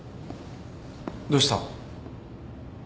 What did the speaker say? どうした？